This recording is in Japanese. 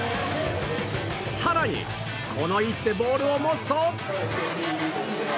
更にこの位置でボールを持つと。